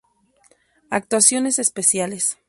Actuaciones especiales